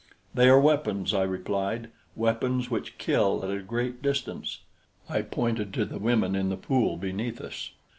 "They are weapons," I replied, "weapons which kill at a great distance." I pointed to the women in the pool beneath us.